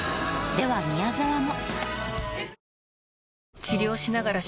では宮沢も。